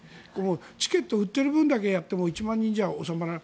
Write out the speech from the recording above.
チケット売ってる分だけやっても１万人ぐらいでは収まらない。